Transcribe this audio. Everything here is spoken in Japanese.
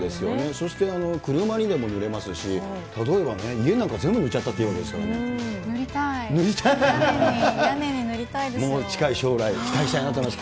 そして車にも塗れますし、例えばね、家なんか全部塗っちゃっても塗りたい、屋根に塗りたいで近い将来期待したいなと思います。